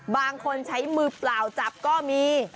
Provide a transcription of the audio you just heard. บางคนใช้มือเปล่าจับก็มี